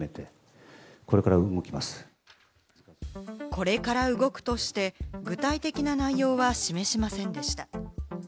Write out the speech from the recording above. これから動くとして、具体的な内容は示しませんでした。